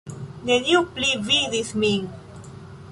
Neniu pli vidis min.